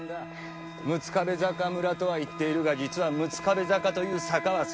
六壁坂村とは言っているが実は六壁坂という坂は存在しない。